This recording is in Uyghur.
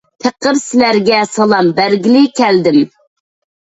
پېقىر سىلەرگە سالام بەرگىلى كەلدىم.